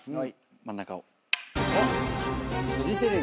真ん中を。